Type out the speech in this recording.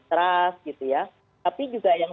trust gitu ya tapi juga yang